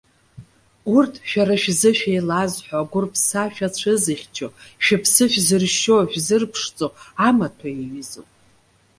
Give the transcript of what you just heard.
Урҭ шәара шәзы шәеилазҳәо, агәырԥса шәацәызыхьчо, шәыԥсы шәзыршьо, шәзырԥшӡо амаҭәа иаҩызоуп.